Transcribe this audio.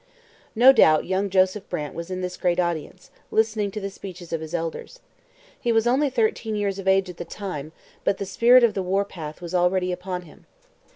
No doubt young Joseph Brant was in this great audience, listening to the speeches of his elders. He was only thirteen years of age at the time, but the spirit of the war path was already upon him.